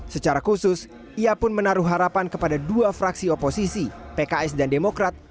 secara khusus ia pun menaruh harapan kepada dua fraksi oposisi pks dan demokrat